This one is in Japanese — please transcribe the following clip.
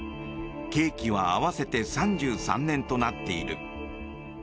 刑期は合わせて３３年となっている。